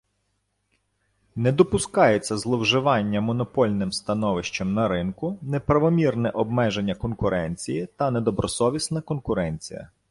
Не допускаються зловживання монопольним становищем на ринку, неправомірне обмеження конкуренції та недобросовісна конкуренція